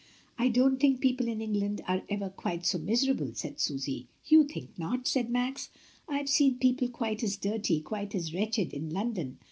"I don't think people in England are ever quite so miserable," said Susy. "You think not?" said Max. "I have seen people quite as dirty, quite as wretched in London.